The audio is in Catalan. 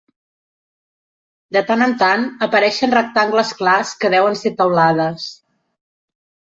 De tant en tant apareixen rectangles clars que deuen ser teulades.